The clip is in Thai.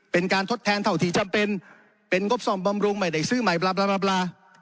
เป็นการทดแทนเท่าที่จำเป็นเป็นงบส่องบำรุงใหม่ใดซื้อใหม่บลาบลาบลาบลา